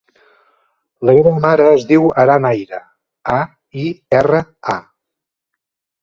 La meva mare es diu Aran Aira: a, i, erra, a.